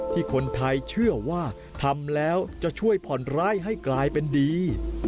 ที่คนไทยเชื่อว่าทำแล้วจะช่วยผ่อนร้ายให้กลายเป็นดี